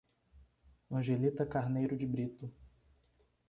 Angelita Carneiro de Brito